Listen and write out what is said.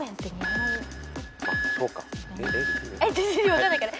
分かんないから。